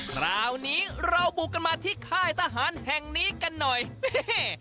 คราวนี้เราบุกกันมาที่ค่ายทหารแห่งนี้กันหน่อยแม่